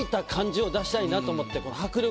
迫力を出したいなと思って。